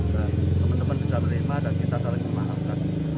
dan teman teman bisa berhima dan kita saling memaafkan